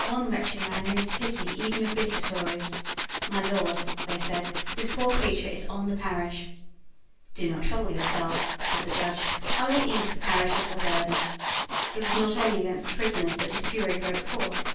One wretched man moved the pity even of bitter Tories. "My Lord," they said, "this poor creature is on the parish." "Do not trouble yourselves," said the Judge, "I will ease the parish of the burden." It was not only against the prisoners that his fury broke forth.